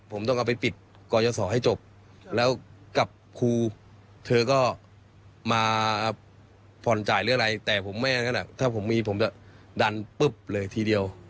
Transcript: ผมจะดันปุ๊บเลยทีเดียว